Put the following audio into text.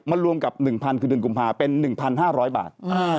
มันรวมกับ๑๐๐คือเดือนกุมภาเป็น๑๕๐๐บาท